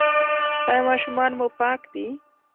ایا ماشومان مو پاک دي؟